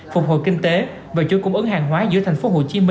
phục hồi kinh tế và chuỗi cung ứng hàng hóa giữa tp hcm